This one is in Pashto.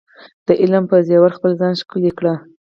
د علم په زیور خپل ځان ښکلی کړئ.